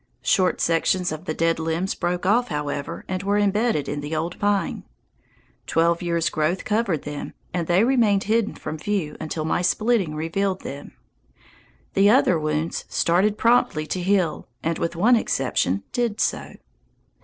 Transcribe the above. Short sections of the dead limbs broke off, however, and were embedded in the old pine. Twelve years' growth covered them, and they remained hidden from view until my splitting revealed them. The other wounds started promptly to heal and, with one exception, did so.